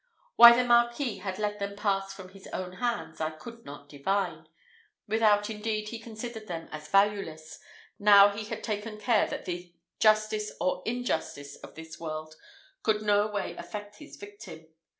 Why the Marquis had let them pass from his own hands I could not divine; without, indeed, he considered them as valueless, now he had taken care that the justice or injustice of this world could no way affect his victim.